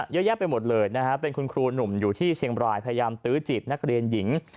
เยอะแยะไปหมดเลยนะฮะเป็นคุณครูหนุ่มอยู่ที่เชียงบรายพยายามตื้อจีบนักเรียนหญิง